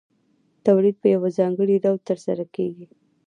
تولید په یو ځانګړي ډول ترسره کېږي